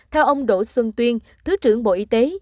theo ông đỗ xuân tuyên thứ trưởng bộ y tế